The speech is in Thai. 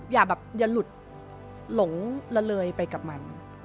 อย่าลุดหลงละเลยไปกับมัน